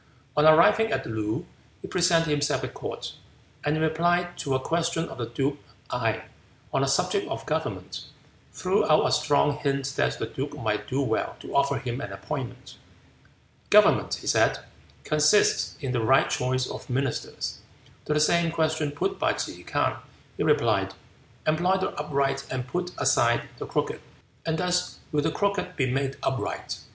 On arriving at Loo, he presented himself at court, and in reply to a question of the duke Gae on the subject of government, threw out a strong hint that the duke might do well to offer him an appointment. "Government," he said, "consists in the right choice of ministers." To the same question put by Ke K'ang he replied, "Employ the upright and put aside the crooked, and thus will the crooked be made upright."